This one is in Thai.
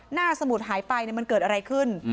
สมุดหายไปมันเกิดอะไรขึ้น